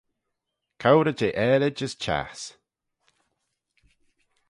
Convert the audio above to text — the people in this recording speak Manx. Cowrey jeh aalid as çhiass.